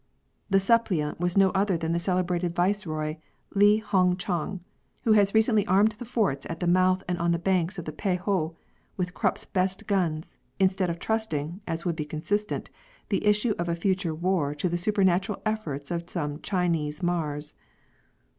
The suppliant was no other than the celebrated Viceroy, Li Hung chang, who has recently armed the forts at the mouth and on the banks of the Peiho with Krupp's best guns, instead of trusting, as would be consistent, the issue of a future war to the supernatural efforts of some Chinese Mars.